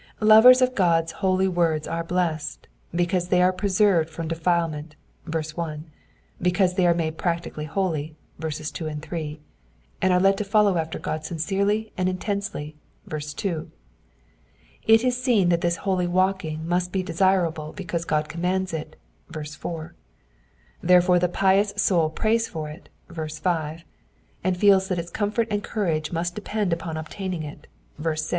Lovers of God's holy words are blessed, because they are preserved from defilement {verse 1), because they are made practically holy {verses 2 and 3), and are led to follow after God sincerdy and intensely {verse 2). li is seen that this holy walking must be desirable because God commands it {verse 4) ; iherffore the pious soul prays for U {verse B), and feels that its comfort and courage must depend upon obtaining it {verse 6).